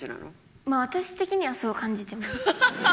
まあ私的にはそう感じてます。